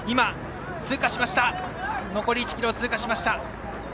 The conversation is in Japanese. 残り１ｋｍを通過しました。